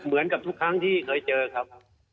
เหมือนกับทุกครั้งที่เคยเจอครับ